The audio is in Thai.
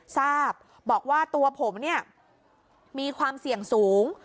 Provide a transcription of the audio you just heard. ทราบบอกว่าตัวผมเนี่ยมีความเสี่ยงสูง